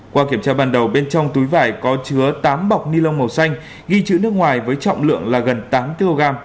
qua kiểm tra ban đầu bên trong túi vải có chứa tám bọc ni lông màu xanh ghi chữ nước ngoài với trọng lượng là gần tám kg